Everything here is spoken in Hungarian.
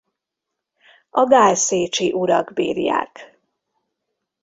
A gálszécsi urak birják.